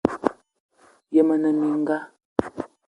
Yen mmee minga: